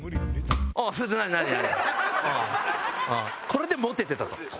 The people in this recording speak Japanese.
これでモテてたと。